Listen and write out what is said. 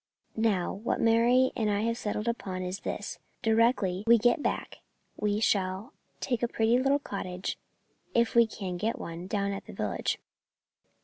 Now, what Mary and I have settled upon is this: directly we get back we shall take a pretty little cottage, if we can get one, down at the village."